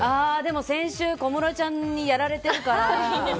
先週小室ちゃんにやられてるから。